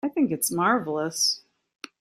I think it's marvelous.